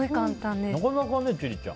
なかなかね、千里ちゃん。